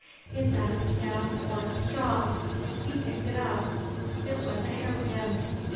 Is that a stem or a straw? He picked it up. It was a hair pin.